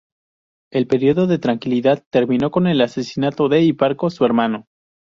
El periodo de tranquilidad terminó con el asesinato de Hiparco, su hermano.